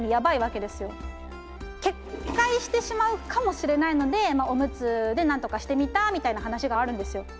決壊してしまうかもしれないのでオムツでなんとかしてみたみたいな話があるんですよ。